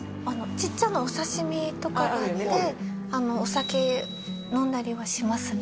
ちっちゃなお刺身とかがあってお酒飲んだりはしますね